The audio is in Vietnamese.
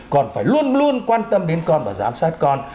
còn phải luôn luôn quan tâm đến con và giám sát con